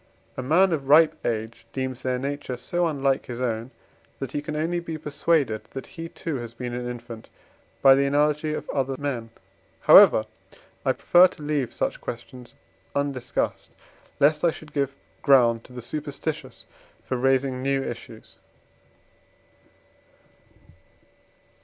A man of ripe age deems their nature so unlike his own, that he can only be persuaded that he too has been an infant by the analogy of other men. However, I prefer to leave such questions undiscussed, lest I should give ground to the superstitious for raising new issues.